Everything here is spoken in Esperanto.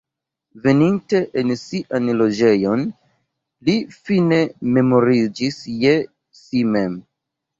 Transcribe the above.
Veninte en sian loĝejon, li fine memoriĝis je si mem.